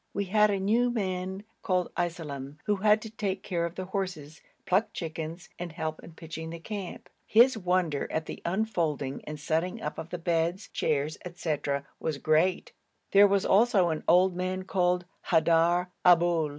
We had a new man called Iselem, who was to take care of the horses, pluck chickens, and help in pitching the camp. His wonder at the unfolding and setting up of the beds, chairs, &c., was great. There was also an old man called Haidar Aboul.